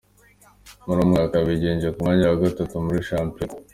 Muri uwo mwaka yayigejeje ku mwanya wa gatatu muri shampiyona.